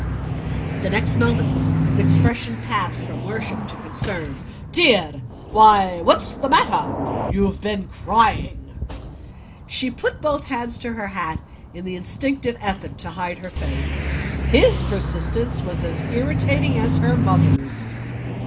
But the next moment his expression passed from worship to concern. "Dear! Why, what's the matter? You've been crying!" She put both hands to her hat in the instinctive effort to hide her face. His persistence was as irritating as her mother's.